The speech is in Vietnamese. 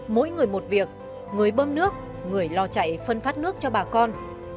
mỗi người một việc người bơm nước người lo chạy phân phát nước cho bà con